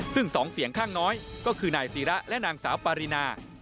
ซึ่ง๒เสียงข้างน้อยก็คือนายศิระและนางสาวปารีนา